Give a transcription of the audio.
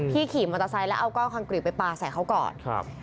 พี่ขี่มอเตอร์ไซต์แล้วเอากล้องอังกฤษไปปลาใส่เขาก่อนครับ